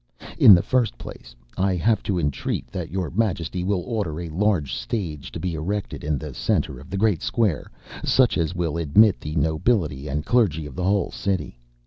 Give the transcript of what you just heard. In the first place, I have to entreat that your majesty will order a large stage to be erected in the centre of the great square, such as will admit the nobility and clergy of the whole city.